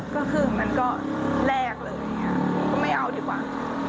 ก็คือมันก็แรกเลยก็ไม่เอาดีกว่า